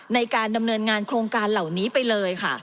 ในการดำเนินงานโครงการเหล่านี้ไปเลยค่ะ